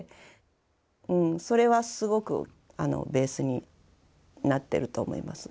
それはすごくベースになってると思います。